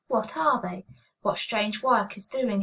What are they? What strange work is doing here?